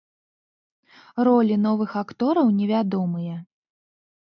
Ролі новых актораў невядомыя.